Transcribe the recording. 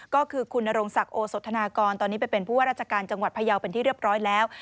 ก็คือคุณนรงศักดิ์โอสธนากรตอนนี้ไปเป็นผู้ว่าราชการจังหวัดพยาวเป็นที่เรียบร้อยแล้ว